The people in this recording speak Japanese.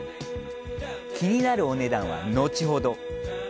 気になるお値段は後ほど。